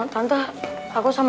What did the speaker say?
tante aku sama mir